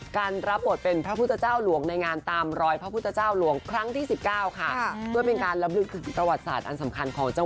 การรับบทเป็นพระพุทธเจ้าหลวงในงาน